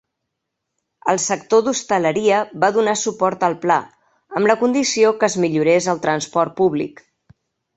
El sector d'hostaleria va donar suport al pla, amb la condició que es millorés el transport públic.